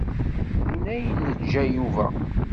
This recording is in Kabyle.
Din ay n-yeǧǧa Yuba.